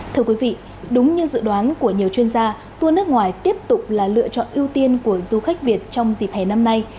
thưa quý vị đúng như dự đoán của nhiều chuyên gia tour nước ngoài tiếp tục là lựa chọn ưu tiên của du khách việt trong dịp hè năm nay